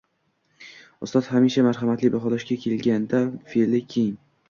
Ustoz hamisha marhamatli, baholashga kelganda fe’li keng.